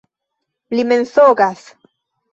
Li mensogas!